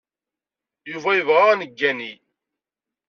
Yuba yebɣa ad neggani.